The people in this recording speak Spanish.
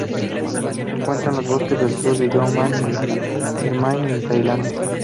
Se encuentra en los bosques del sur de Yunnan y en Birmania y Tailandia.